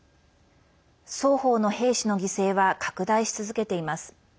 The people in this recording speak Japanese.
双方の兵士の犠牲は拡大し続けています。